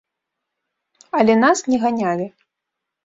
Але нас не ганялі.